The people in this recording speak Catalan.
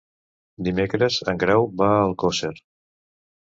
Dimecres en Grau va a Alcosser.